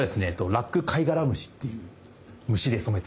ラックカイガラムシっていう虫で染めてます。